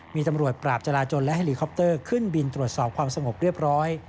มีตำรวจปราบจราจนและเฮลีคอปเตอร์ขึ้นบินตรวจสอบความสงบเรียบร้อย